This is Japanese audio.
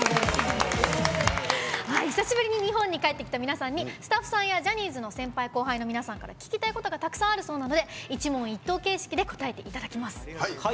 久しぶりに日本に帰ってきた皆さんにスタッフさんやジャニーズの先輩・後輩の皆さんが聞きたいことがたくさんあるそうなので一問一答形式で答えていただきます。